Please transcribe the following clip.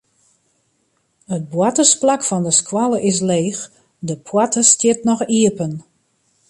It boartersplak fan de skoalle is leech, de poarte stiet noch iepen.